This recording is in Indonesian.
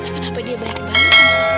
kenapa dia baik banget